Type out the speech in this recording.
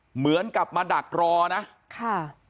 เหมือนกับมาดักรอนะค่ะ